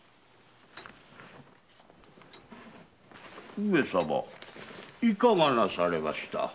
上様いかがなされました？